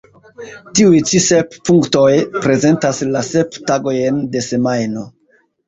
Tiuj ĉi sep punktoj prezentas la sep tagojn de semajno.